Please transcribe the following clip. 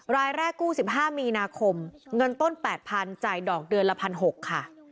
รายแรกกู้๑๕มีนาคมเงินต้น๘๐๐๐จ่ายดอกเดือนละ๑๖๐๐ค่ะ